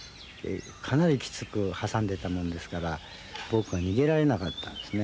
かなりきつく挟んでいたもんですから僕は逃げられなかったんですね。